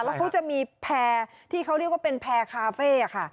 แล้วเขาจะมีแพร่ที่เขาเรียกว่าเป็นแพร่คาเฟ่ค่ะ